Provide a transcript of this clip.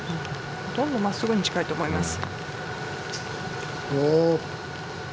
ほとんどまっすぐに近いと思います。